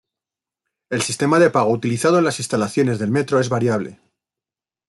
El sistema de pago utilizado en las instalaciones del metro es variable.